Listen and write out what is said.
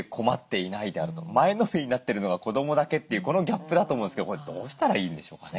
前のめりになってるのは子どもだけというこのギャップだと思うんですけどこれどうしたらいいんでしょうかね？